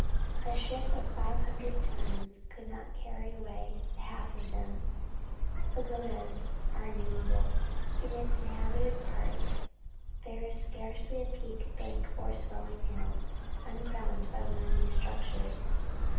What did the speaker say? A ship of five hundred tons could not carry away the half of them." Pagodas are innumerable. In the inhabited parts there is scarcely a peak, bank, or swelling hill, uncrowned by one of these structures.